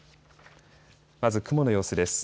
まず雲の様子です。